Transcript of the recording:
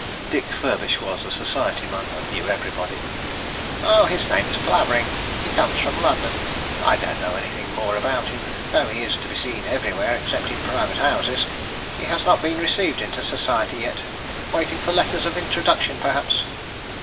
Dick Furbish was a society man, and knew everybody. "His name is Clavering, and he comes from London. I don't know anything more about him, though he is to be seen everywhere except in private houses. He has not been received into society yet; waiting for letters of introduction, perhaps."